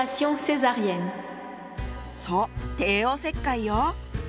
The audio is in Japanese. そう帝王切開よ。